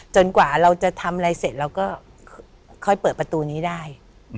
กว่าเราจะทำอะไรเสร็จเราก็ค่อยเปิดประตูนี้ได้